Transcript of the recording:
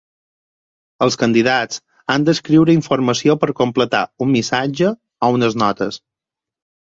Els candidats han d'escriure informació per completar un missatge o unes notes.